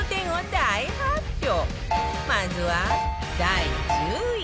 まずは第１０位